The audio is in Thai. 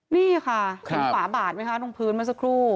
นี่ค่ะเห็นฝาบาดไหมคะตรงพื้นเมื่อสักครู่